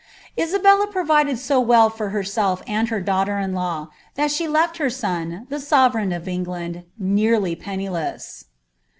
[«abclla provided so well for herself and her daughter in law, thildl lefl her son, ihe aovereign of England, ncariy pennUesa.